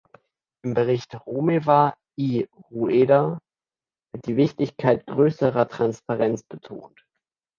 Im Bericht Romeva i Rueda wird die Wichtigkeit größerer Transparenz betont.